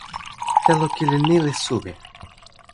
telo kili ni li suwi.